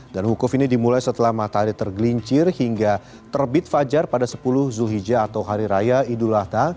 dan hukuf ini dimulai setelah matahari tergelincir hingga terbit fajar pada sepuluh zulhijjah atau hari raya idul adha